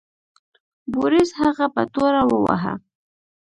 بوریس هغه په توره وواهه.